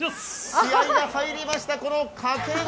気合いが入りました、この掛け声。